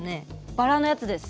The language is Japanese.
バラのやつです。